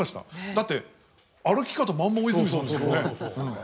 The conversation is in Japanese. だって歩き方まんま大泉さんですよね。